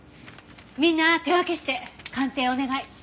みんな手分けして鑑定お願い。